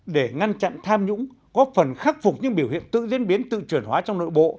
để ngăn chặn tham nhũng có phần khắc phục những biểu hiện tự diễn biến tự chuyển hóa trong nội bộ